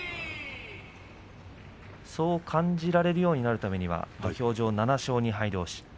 そう感じられるようになるためには土俵上、７勝２敗どうし